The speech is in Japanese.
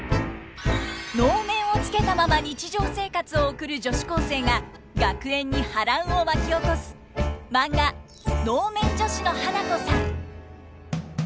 能面をつけたまま日常生活を送る女子高生が学園に波乱を巻き起こすマンガ「能面女子の花子さん」。